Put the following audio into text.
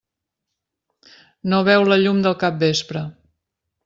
No veu la llum del capvespre.